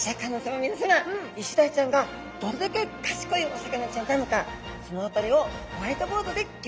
みなさまイシダイちゃんがどれだけ賢いお魚ちゃんなのかその辺りをホワイトボードでギョ説明いたします。